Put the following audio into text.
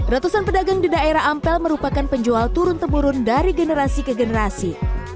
ratusan pedagang di daerah ampel merupakan penjual turun temurun dari generasi ke generasi